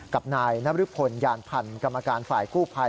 กับนายนบริพลยานพันธ์กรรมการฝ่ายกู้ภัย